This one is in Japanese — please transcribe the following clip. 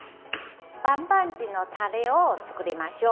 バンバンジーのタレを作りましょう。